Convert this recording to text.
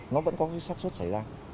nó vẫn có cái sắc xuất xảy ra